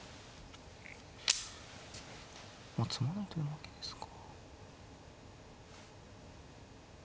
まあ詰まないと負けですか。